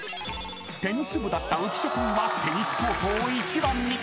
［テニス部だった浮所君はテニスコートを１番に］